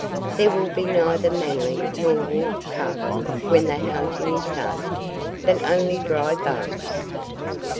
"There will be neither Manling nor Wolf cub when that hunting is done, but only dry bones."